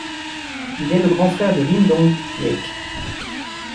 Il est le grand frère de Lim Dong-hyek.